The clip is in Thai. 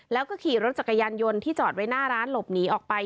แล้วก็ขี่รถจักรยานยนต์ที่จอดไว้หน้าร้านหลบหนีออกไป